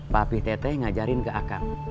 papih teteh ngajarin ke akang